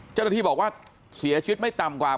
เจ้าหน้าที่บอกว่าเสียชีวิตไม่ต่ำกว่า